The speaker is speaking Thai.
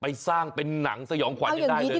ไปสร้างเป็นนังสยองกว่านิดหนึ่ง